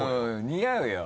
似合うよ。